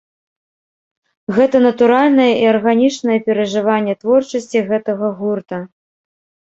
Гэта натуральнае і арганічнае перажыванне творчасці гэтага гурта.